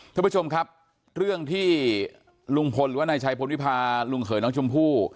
ทุกผู้ชมครับเรื่องที่ลุงพลหน่ายชายพลวิพาห์ลุงเผลน้องชมพู่